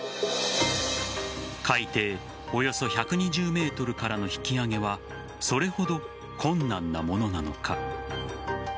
海底およそ１２０ｍからの引き揚げはそれほど困難なものなのか。